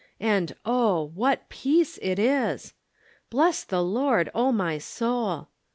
And oh, what peace it is !" Bless the Lord, O my soul."